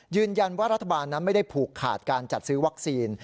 ยืนยันว่ารัฐบาลนั้นไม่ได้ผูกขาดการจัดซื้อวัคซีน